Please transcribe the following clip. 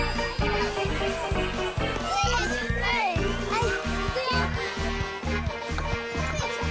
はい。